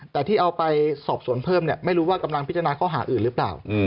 แต่ที่เอาไปสอบสวนเพิ่มไม่รู้ว่ากำลังพิจารณาข้อหาอื่นหรือเปล่า